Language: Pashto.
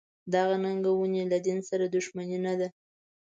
دغه ننګونې له دین سره دښمني نه ده.